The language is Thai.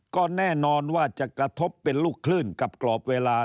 ก็แน่นอนว่าจะกระทบเป็นลูกคลื่นกับกรอบเวลา